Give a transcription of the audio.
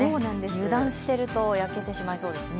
油断していると焼けてしまいそうですね。